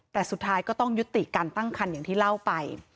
แต่สุดท้ายก็ต้องยุติการตั้งคันอย่างที่เล่าไป